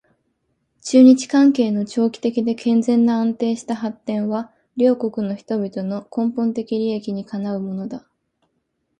中日関係の長期的で健全な安定した発展は両国の人々の根本的利益にかなうものだ